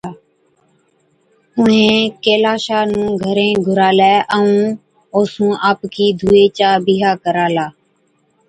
اُڻهين ڪيلاشا نُون گھرين گھُرالَي ائُون اوسُون آپڪِي ڌُوئي چا بِيها ڪرالا۔